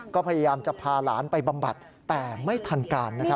ก็พยายามจะพาหลานไปบำบัดแต่ไม่ทันการ